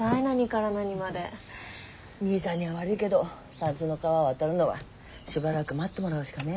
兄さんには悪いけど三途の川渡るのはしばらく待ってもらうしかね。